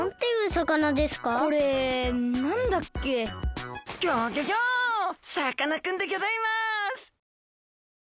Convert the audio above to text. さかなクンでギョざいます！